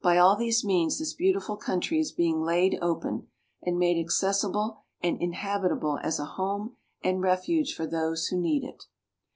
By all these means this beautiful country is being laid open, and made accessible and inhabitable as a home and refuge for those who need it.